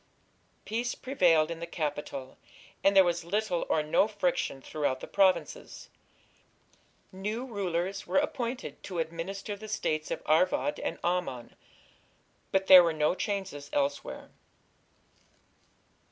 Peace prevailed in the capital, and there was little or no friction throughout the provinces: new rulers were appointed to administer the States of Arvad and Ammon, but there were no changes elsewhere.